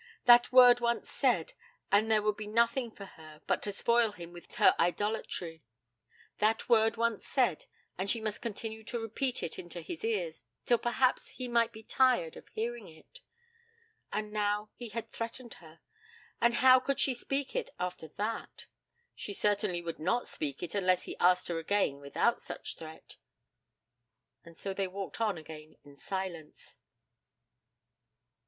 That word once said, and there would be nothing for her but to spoil him with her idolatry! That word once said, and she must continue to repeat it into his ears, till perhaps he might be tired of hearing it! And now he had threatened her, and how could she speak it after that? She certainly would not speak it unless he asked her again without such threat. And so they walked on again in silence.